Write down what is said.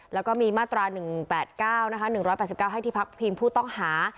แล้วก็มีมาตรา๑๘๙๑๘๙ให้ที่พักพิงผู้ต้องหา